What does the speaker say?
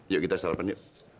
yuk kita salamannya